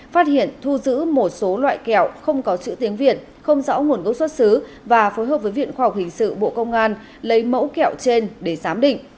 phát hiện thu giữ một số loại kẹo không có chữ tiếng việt không rõ nguồn gốc xuất xứ và phối hợp với viện khoa học hình sự bộ công an lấy mẫu kẹo trên để giám định